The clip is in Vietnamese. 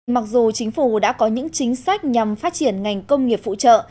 mặc dù chính phủ đã có những chính sách nhằm phát triển ngành công nghiệp phụ trợ